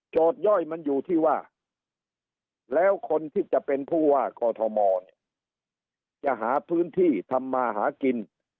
ย่อยมันอยู่ที่ว่าแล้วคนที่จะเป็นผู้ว่ากอทมเนี่ยจะหาพื้นที่ทำมาหากิน